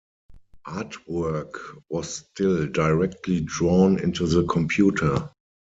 Artwork was still directly drawn into the computer.